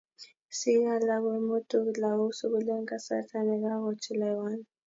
sikiik alak koimutuk lagok sukul eng kasarta ne kakochelewan.